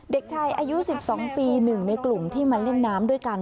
เด็กชายอายุ๑๒ปี๑ในกลุ่มที่มาเล่นน้ำด้วยกัน